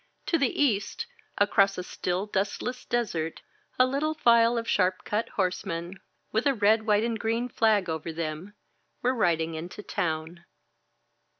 To the east, across a still, dustless desert, a little file of sharp cut horse men, with a red white and green flag over them, were riding into town.